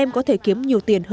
em có thể kiếm nhiều tiền hơn thế